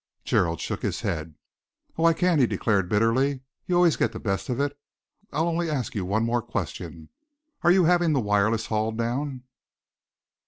Gerald shook his head. "Oh, I can't!" he declared bitterly. "You always get the best of it. I'll only ask you one more question. Are you having the wireless hauled down?"